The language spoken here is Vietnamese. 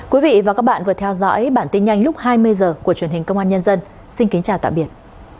quý vị và các bạn vừa theo dõi bản tin nhanh lúc hai mươi h của truyền hình công an nhân dân xin kính chào tạm biệt